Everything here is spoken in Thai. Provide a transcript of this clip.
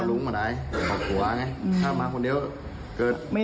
อืม